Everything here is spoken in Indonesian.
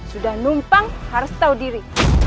sudah numpang harus tahu diri